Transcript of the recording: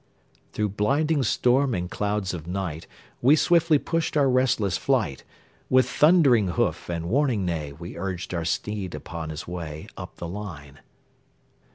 Through blinding storm and clouds of night, We swiftly pushed our restless flight; With thundering hoof and warning neigh, We urged our steed upon his way Up the line.